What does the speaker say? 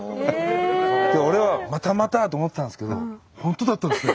で俺はまたまたって思ってたんですけど本当だったんですね。